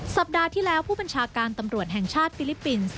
สัปดาห์ที่แล้วผู้บัญชาการตำรวจแห่งชาติฟิลิปปินส์